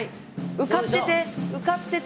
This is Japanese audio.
受かってて。